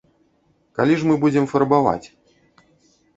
Калі ж мы будзем фарбаваць?